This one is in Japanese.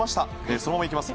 そのままいきます。